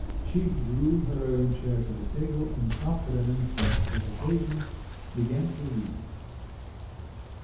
She drew her own chair to the table, and after an instant's hesitation, began to read.